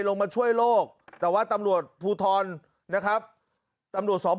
ลงมาช่วยโลกแต่ว่าตำรวจภูทรนะครับตำรวจสอบ